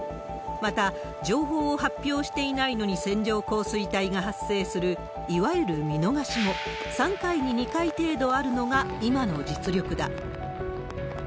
また、情報を発表していないのに線状降水帯が発生するいわゆる見逃しも、３回に２回程度あるのが今の実力だ。